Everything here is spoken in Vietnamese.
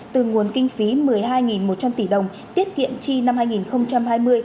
từ nguồn kinh phí một mươi hai một trăm linh tỷ đồng tiết kiệm chi năm hai nghìn hai mươi